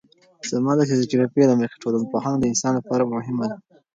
زما د تجربې له مخې ټولنپوهنه د انسان لپاره مهمه ده.